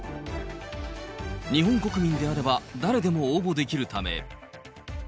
日本国民であれば誰でも応募できるため。